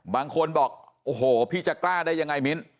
บางคนบอกโอ้โหพี่จะกล้าได้ยังไงมิ้น